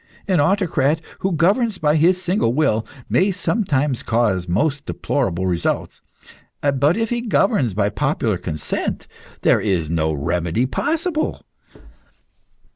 An autocrat, who governs by his single will, may sometimes cause most deplorable results; but if he governs by popular consent there is no remedy possible.